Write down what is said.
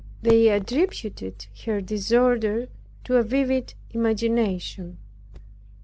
They attributed her disorder to a vivid imagination.